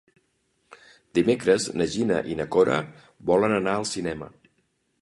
Dimecres na Gina i na Cora volen anar al cinema.